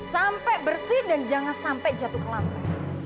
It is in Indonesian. sampai bersih dan jangan sampai jatuh ke lantai